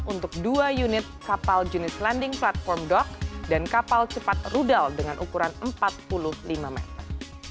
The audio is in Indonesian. untuk dua unit kapal jenis landing platform dock dan kapal cepat rudal dengan ukuran empat puluh lima meter